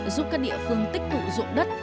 giúp các địa phương tích tụ dụng đất